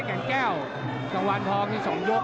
แก่งแก้วจังหวานทองที่สองยก